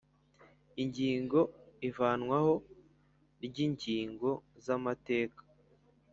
Ingingo ivanwaho ry ingingo z amateka